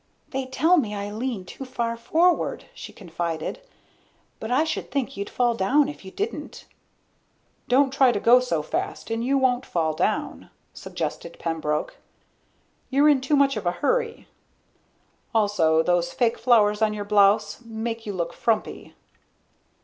"They tell me I lean too far forward," she confided. "But I should think you'd fall down if you didn't." "Don't try to go so fast and you won't fall down," suggested Pembroke. "You're in too much of a hurry. Also those fake flowers on your blouse make you look frumpy."